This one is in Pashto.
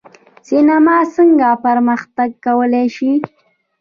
سینما څنګه پرمختګ کولی شي؟